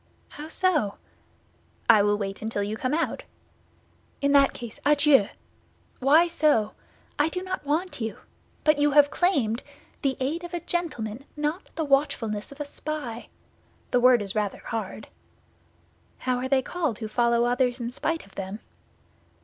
"How so?" "I will wait until you come out." "In that case, adieu." "Why so?" "I do not want you." "But you have claimed—" "The aid of a gentleman, not the watchfulness of a spy." "The word is rather hard." "How are they called who follow others in spite of them?"